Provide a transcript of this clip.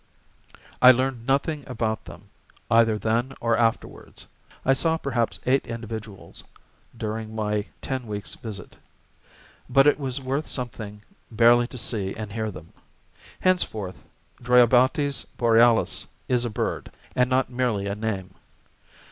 I learned nothing about them, either then or afterwards (I saw perhaps eight individuals during my ten weeks' visit), but it was worth something barely to see and hear them. Henceforth Dryobates borealis is a bird, and not merely a name.